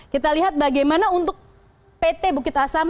kita lihat bagaimana untuk pt bukit asam